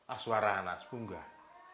as waranas munggah